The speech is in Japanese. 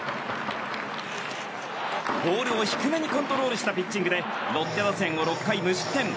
ボールを低めにコントロールしたピッチングでロッテ打線を６回無失点。